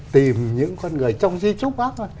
tìm những con người trong di trúc